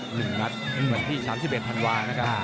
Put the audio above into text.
หนึ่งนัดวันที่๓๑ธันวานะครับ